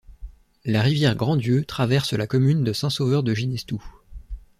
La rivière Grandieu traverse la commune de Saint-Sauveur-de-Ginestoux.